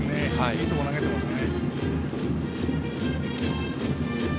いいとこ投げてますね。